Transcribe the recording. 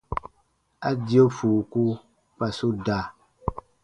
A dio fuuku kpa su da.